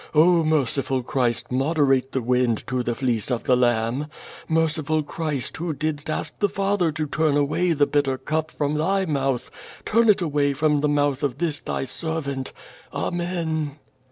Oh, merciful Christ, moderate the wind to the fleece of the lamb. Merciful Christ, who didst ask the Father to turn away the l)itter cup from Thy moutli, turn it away from the mouth of this thy servant. Amen!''